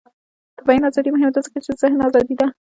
د بیان ازادي مهمه ده ځکه چې د ذهن ازادي ده.